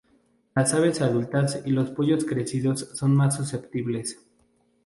Las aves adultas y los pollos crecidos son más susceptibles.